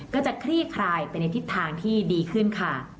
คลี่คลายไปในทิศทางที่ดีขึ้นค่ะ